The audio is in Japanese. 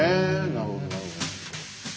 なるほどなるほど。